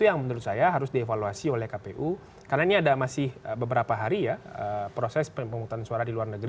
yang menurut saya harus dievaluasi oleh kpu karena ini ada masih beberapa hari ya proses pemungutan suara di luar negeri